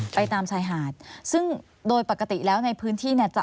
ไปตามชายหาดซึ่งโดยปกติแล้วในพื้นที่เนี่ยจะ